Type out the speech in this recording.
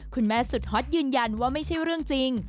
คุณแม่สุดฮอตยืนยันว่าไม่ใช่เรื่องจริง